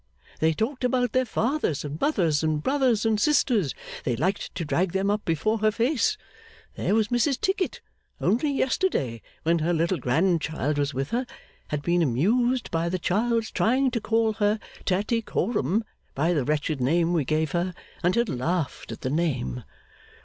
They talked about their fathers and mothers, and brothers and sisters; they liked to drag them up before her face. There was Mrs Tickit, only yesterday, when her little grandchild was with her, had been amused by the child's trying to call her (Tattycoram) by the wretched name we gave her; and had laughed at the name.